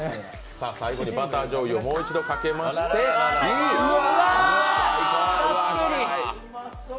最後にバターじょうゆをもう一度かけましてうわぁ！